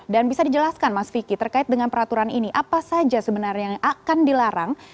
dan bisa dijelaskan mas vicky terkait dengan peraturan ini apa saja sebenarnya yang akan dilarang